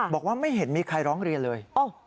บอกว่าไม่เห็นมีใครร้องเรียนเลย